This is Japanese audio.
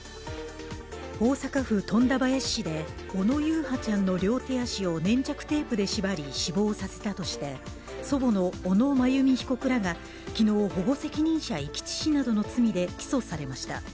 大阪府富田林市で小野優陽ちゃんの手足を粘着テープで縛り、死亡させたとして祖母の小野真由美被告らが昨日、保護責任者遺棄致死などの罪で起訴されました。